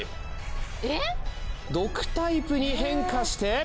えっ？どくタイプに変化して。